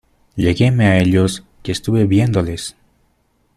lleguéme a ellos y estuve viéndoles.